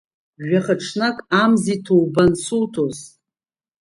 Жәахаҽнак амзи ҭоуба ансуҭоз!